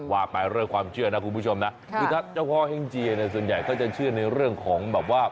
ว่าไปเรื่องความเชื่อนะคุณผู้ชมนะคือถ้าเจ้าพ่อเฮ่งเจียเนี่ยส่วนใหญ่ก็จะเชื่อในเรื่องของแบบว่า